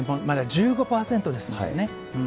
まだ１５％です